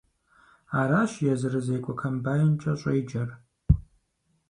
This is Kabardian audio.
Аращ езырызекӀуэ комбайнкӀэ щӀеджэр.